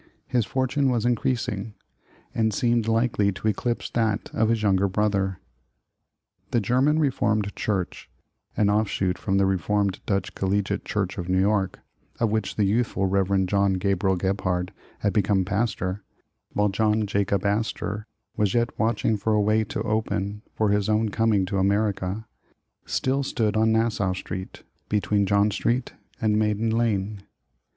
i fortune was increasing, and seemed likely to eclipse that of his younger brother. The German Reformed Church, — an offshoot from the Reformed Dutch Collegiate Church of New York, — of which the youthful Rev. John Gabriel Gebhard had become pastor, while John Jacob Astor was yet watch ing for a way to open for his own coming to America, still stood on Nassau Street between John Street and Maiden Lane.